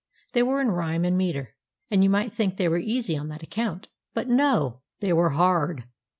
They were in rhyme and meter, and you might think they were easy on that account. But no! they were hard.